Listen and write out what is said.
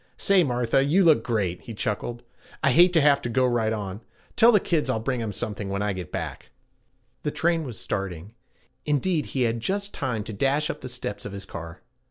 'Say, Martha, you look great,' he chuckled. 'I hate to have to go right on. You tell the kids I'll bring 'em something when I get back.' The train was starting; indeed he had just time to dash up the steps of his car.